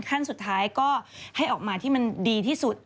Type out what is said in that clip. ขั้นสุดท้ายก็ให้ออกมาที่มันดีที่สุด